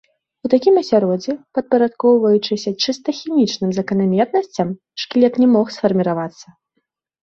У такім асяроддзі, падпарадкоўваючыся чыста хімічным заканамернасцям, шкілет не мог сфарміравацца.